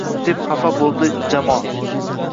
deb xafa bo`ldi Jamol